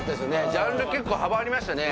ジャンル結構幅ありましたね